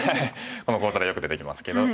この講座ではよく出てきますけど。